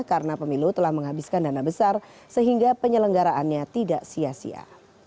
karena pemilu telah menghabiskan dana besar sehingga penyelenggaraannya tidak sia sia